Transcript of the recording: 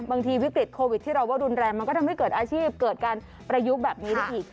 วิกฤตโควิดที่เราว่ารุนแรงมันก็ทำให้เกิดอาชีพเกิดการประยุกต์แบบนี้ได้อีก